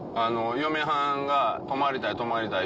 嫁はんが泊まりたい泊まりたい